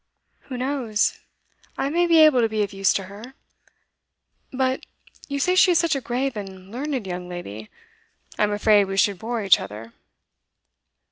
'Who knows? I may be able to be of use to her. But, you say she is such a grave and learned young lady? I am afraid we should bore each other.